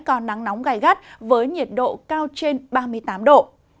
có nắng nóng gai gắt với nhiệt độ cao trên ba mươi tám độ